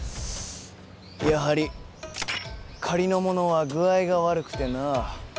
やはり仮のものは具合が悪くてな。